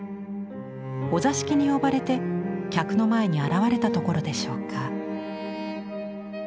お座敷に呼ばれて客の前に現れたところでしょうか。